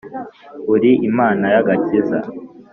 uri imana y'agakiza